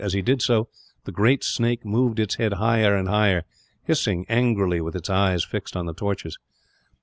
As he did so, the great snake moved its head higher and higher, hissing angrily, with its eyes fixed on the torches.